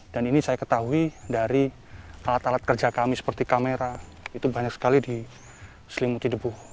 dan ini saya ketahui dari alat alat kerja kami seperti kamera itu banyak sekali diselimuti debu